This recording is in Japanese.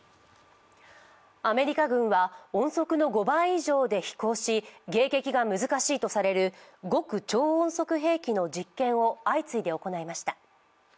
アメリカ軍は音速の５倍以上で飛行し迎撃が難しいとされる極超音速兵器の実験を相次いで行いました。